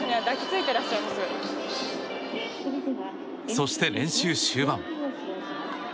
そして練習終盤。